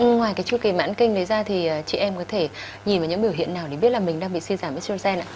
ngoài cái chu kỳ mãn kinh đấy ra thì chị em có thể nhìn vào những biểu hiện nào để biết là mình đang bị sinh giảm estrogen